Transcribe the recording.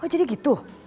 oh jadi gitu